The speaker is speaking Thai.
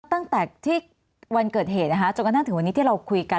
ตั้งแต่ที่วันเกิดเหตุนะคะจนกระทั่งถึงวันนี้ที่เราคุยกัน